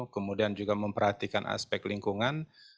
kemudian juga memperhatikan aspek lingkungan